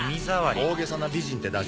大げさな美人ってだけ。